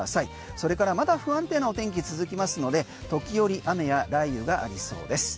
それからまだ不安定なお天気続きますので時折、雨や雷雨がありそうです。